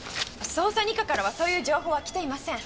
捜査二課からはそういう情報は来ていません。